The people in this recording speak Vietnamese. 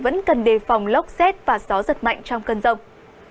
vẫn cần đề phòng lốc xét và gió giật mạnh trong cơn rông